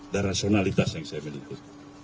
dan rasionalitas yang saya miliki